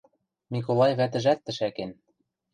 Миколай вӓтӹжӓт тӹшӓкен: